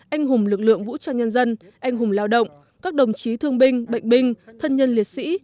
anh hùng lực lượng vũ trang nhân dân anh hùng lao động các đồng chí thương binh bệnh binh thân nhân liệt sĩ